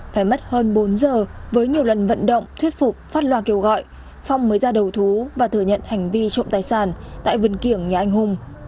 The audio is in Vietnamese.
phải mất hơn bốn giờ với nhiều lần vận động thuyết phục phát loa kêu gọi phong mới ra đầu thú và thừa nhận hành vi trộm tài sản tại vườn kiểng nhà anh hùng